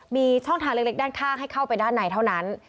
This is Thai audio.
มีช่องทางเล็กด้านข้างให้เข้าไปด้านในเท่านั้น